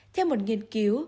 theo một nghiên cứu